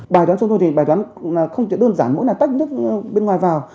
bài đoán sông thu thì bài đoán không chỉ đơn giản mỗi lần tách nước bên ngoài vào